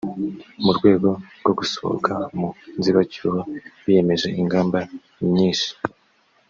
mu rwego rwo gusohoka mu nzibacyuho biyemeje ingamba myinshi.